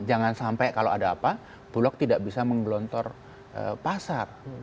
jangan sampai kalau ada apa bulog tidak bisa menggelontor pasar